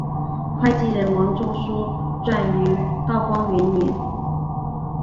会稽人王仲舒撰于道光元年。